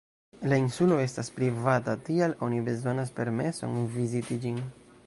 La insulo estas privata, tial oni bezonas permeson viziti ĝin.